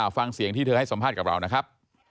ฟังเสียงที่เธอให้สัมภาษณ์กับเรานะครับ